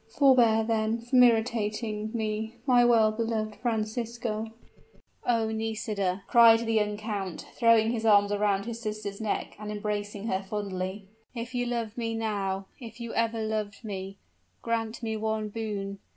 Forbear, then, from irritating me, my well beloved Francisco " "Oh! Nisida," cried the young count, throwing his arms around his sister's neck and embracing her fondly; "if you love me now, if you ever loved me, grant me one boon!